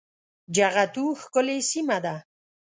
جغتو ښکلې سيمه ده